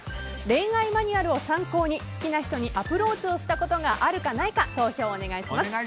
恋愛マニュアルを参考に好きな人にアプローチしたことがあるかないか投票をお願いします。